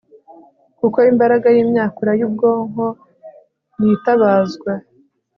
kuko imbaraga yimyakura yubwonko yitabazwa